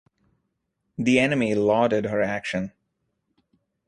The enemy lauded her action.